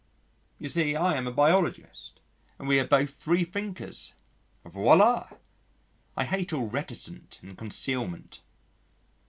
You see I am a biologist and we are both freethinkers. Voilà!... I hate all reticence and concealment....